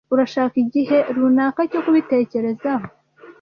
Urashaka igihe runaka cyo kubitekerezaho?